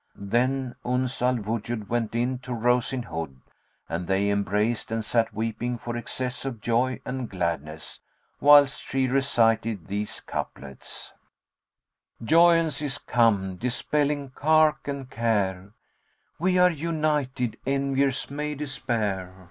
Then Uns al Wujud went in to Rose in Hood and they embraced and sat weeping for excess of joy and gladness, whilst she recited these couplets, "Joyance is come, dispelling cark and care; * We are united, enviers may despair.